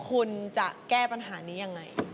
คุณจะแก้ปัญหานี้ยังไง